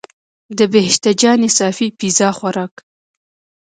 د بهشته جانې صافی پیزا خوراک.